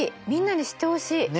みんなに知ってほしい。